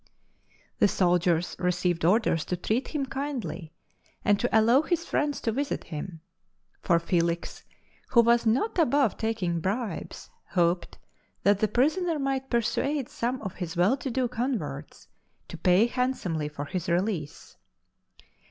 Ihe soldiers received orders to treat him kindly, and to allow his friends to visit him, for Felix, who was not above taking bribes, hoped that the prisoner might persuade some of his well to do converts to pay handsomely for his release.